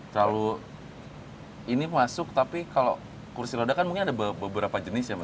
terlalu ini masuk tapi kalau kursi roda kan mungkin ada beberapa jenis ya mbak